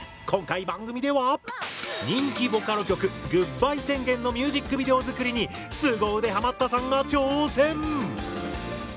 今回番組では人気ボカロ曲「グッバイ宣言」のミュージックビデオ作りにスゴ腕ハマったさんが挑戦！